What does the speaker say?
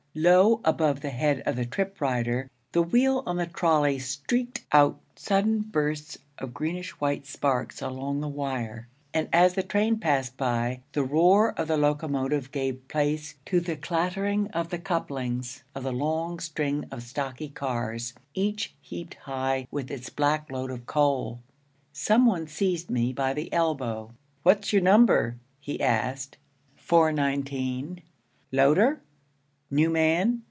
Low above the head of the trip rider, the wheel on the trolley streaked out sudden bursts of greenish white sparks along the wire; and as the train passed by, the roar of the locomotive gave place to the clattering of the couplings of the long string of stocky cars, each heaped high with its black load of coal. Some one seized me by the elbow. 'What's yer number?' he asked. '419.' 'Loader? New man?'